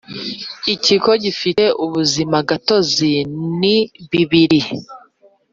ibigo bifite ubuzimagatozini bibiri